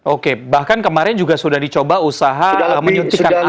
oke bahkan kemarin juga sudah dicoba usaha menyuntikkan air